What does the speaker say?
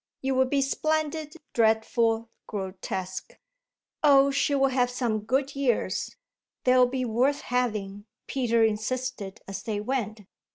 It would be splendid, dreadful, grotesque. "Oh, she'll have some good years they'll be worth having," Peter insisted as they went.